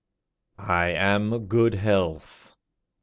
I am good health.